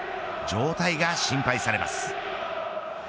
状態が心配されます。